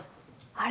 あれ？